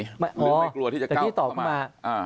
หรือไม่กลัวที่จะเก้าขึ้นมาแต่ที่ตอบมา